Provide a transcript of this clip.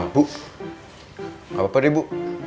bu apa apa deh bu